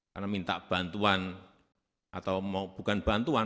karena minta bantuan atau mau bukan bantuan